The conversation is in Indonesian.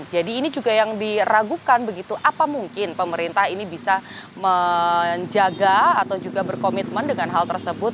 jadi ini juga yang diragukan begitu apa mungkin pemerintah ini bisa menjaga atau juga berkomitmen dengan hal tersebut